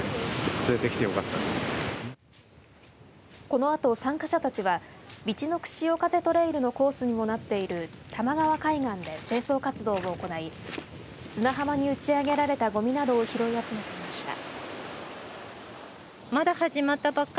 このあと参加者たちはみちのく潮風トレイルのコースにもなっている玉川海岸で清掃活動を行い砂浜に打ち上げられたごみなどを拾い集めていました。